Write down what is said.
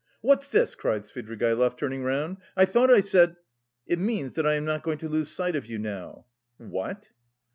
"What's this?" cried Svidrigaïlov turning round, "I thought I said..." "It means that I am not going to lose sight of you now." "What?"